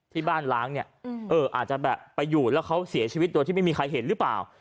ที่บ้านล้างเนี่ยอาจจะแบบไปอยู่แล้วเขาเสียชีวิตโดยที่ไม่มีใครเห็นหรือเปล่า